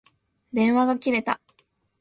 電話が切れた。